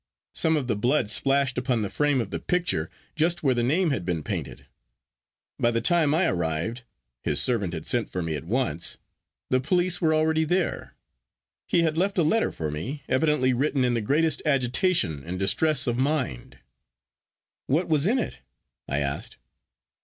Some of the blood splashed upon the frame of the picture, just where the name had been painted. By the time I arrived—his servant had sent for me at once—the police were already there. He had left a letter for me, evidently written in the greatest agitation and distress of mind.' 'What was in it?' I asked.